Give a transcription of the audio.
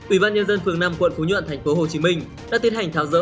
ủy ban nhân dân phường năm quận phú nhuận tp hcm đã tiến hành tháo rỡ